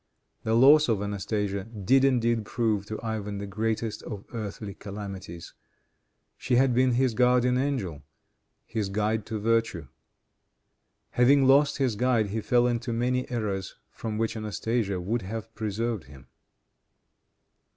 The loss of Anastasia did indeed prove to Ivan the greatest of earthly calamities. She had been his guardian angel, his guide to virtue. Having lost his guide, he fell into many errors from which Anastasia would have preserved him.